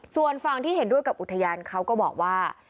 ส่วนฝั่งที่เห็นด้วยกับอุทยานเขาก็บอกว่า